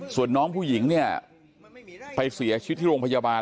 ส่วนน้องผู้หญิงเนี่ยไปเสียชีวิตที่โรงพยาบาล